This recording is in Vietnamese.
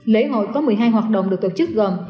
lễ hội có một mươi hai hoạt động được tổ chức gồm